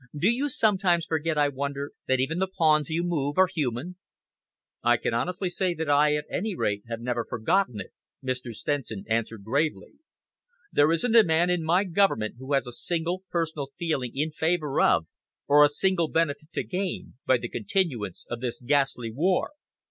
"Do you sometimes forget, I wonder, that even the pawns you move are human?" "I can honestly say that I, at any rate, have never forgotten it," Mr. Stenson answered gravely. "There isn't a man in my Government who has a single personal feeling in favour of, or a single benefit to gain, by the continuance of this ghastly war.